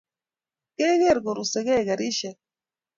Kegeer korusegeu karishek?